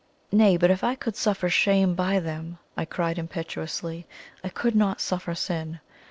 "Nay, but if I could suffer shame by them," I cried impetuously, "I could not suffer sin.